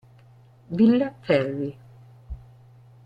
Villa Ferri